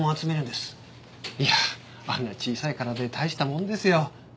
いやあんな小さい体で大したもんですよ。